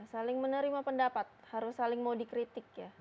saling menerima pendapat harus saling mau dikritik ya